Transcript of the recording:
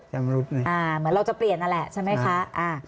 เหมือนเราจะเปลี่ยนนั่นแหละใช่ไหมคะ